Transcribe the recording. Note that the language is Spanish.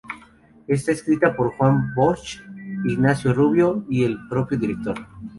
Está escrita por Juan Bosch, Ignacio Rubio y el propio director.